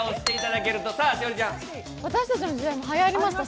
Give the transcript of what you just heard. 私たちの時代もはやりました。